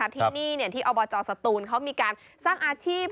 ที่นี่ที่อบจสตูนเขามีการสร้างอาชีพ